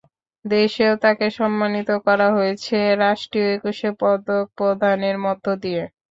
দেশেও তাঁকে সম্মানিত করা হয়েছে রাষ্ট্রীয় একুশে পদক প্রদানের মধ্য দিয়ে।